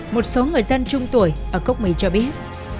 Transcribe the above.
một số người dân trung tuổi ở cốc mì cho biết